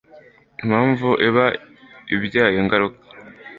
impamvu iba ibyaye ingaruka